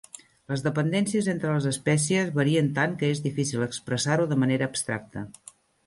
Les dependències entre les espècies varien tant que és difícil expressar-ho de manera abstracta.